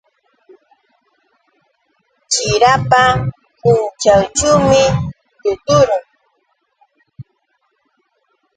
Chirapa punćhawćhuumi shutumun.